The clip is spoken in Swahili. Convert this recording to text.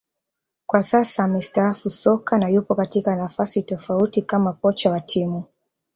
Kwa sasa amestaafu soka na yupo katika nafasi tofauti kama kocha wa timu